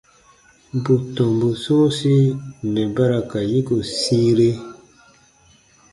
Bù tɔmbu sɔ̃ɔsi mɛ̀ ba ra ka yiko sĩire.